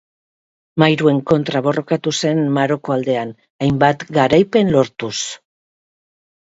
Mairuen kontra borrokatu zen Maroko aldean, hainbat garaipen lortuz.